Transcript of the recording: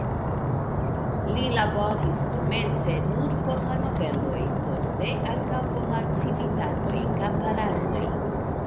Li laboris komence nur por la nobeloj, poste ankaŭ por la civitanoj, kamparanoj.